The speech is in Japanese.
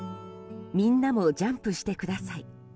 みんなもジャンプしてください。